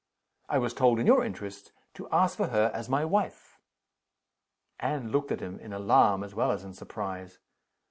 "I was told, in your interests, to ask for her as my wife." Anne looked at him in alarm as well as in surprise.